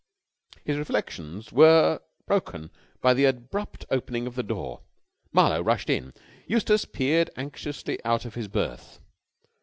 His reflections were broken by the abrupt opening of the door. Marlowe rushed in. Eustace peered anxiously out of his berth.